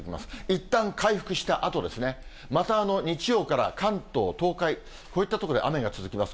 いったん回復したあと、また日曜から関東、東海、こういった所で雨が続きます。